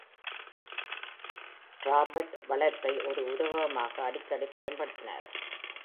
Crawford வளர்ப்பை ஒரு உருவகமாக அடிக்கடி பயன்படுத்தினார்.